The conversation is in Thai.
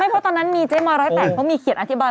ไม่เพราะตอนนั้นมีเจมห์ร้ายปากเขามีเขียนอธิบาย